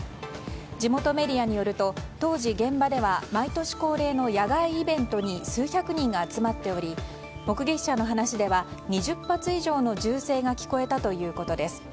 地元メディアによると当時現場では毎年恒例の野外イベントに数百人が集まっており目撃者の話では２０発以上の銃声が聞こえたということです。